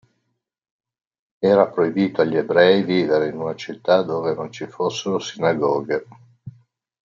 Era proibito agli ebrei vivere in una città dove non ci fossero sinagoghe.